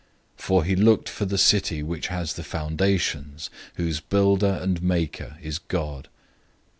011:010 For he looked for the city which has the foundations, whose builder and maker is God.